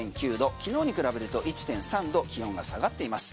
昨日に比べると１．３度気温が下がっています。